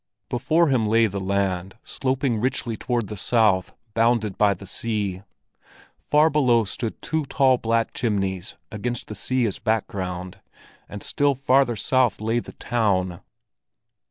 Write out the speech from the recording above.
Before him lay the land sloping richly toward the south, bounded by the sea. Far below stood two tall black chimneys against the sea as background, and still farther south lay the Town!